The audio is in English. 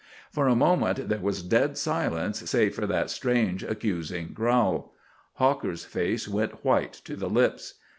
For a moment there was dead silence save for that strange accusing growl. Hawker's face went white to the lips.